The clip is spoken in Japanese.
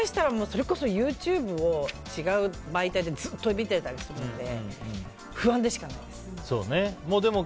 それこそＹｏｕＴｕｂｅを違う媒体でずっと見てたりするので不安でしかないです。